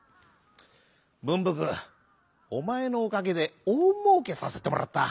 「ぶんぶくおまえのおかげでおおもうけさせてもらった。